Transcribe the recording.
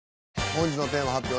本日のテーマ発表